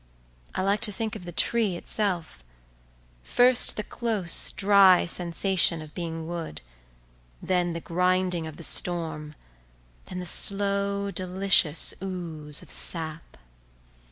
I like to think of the tree itself:—first the close dry sensation of being wood; then the grinding of the storm; then the slow, delicious ooze of sap.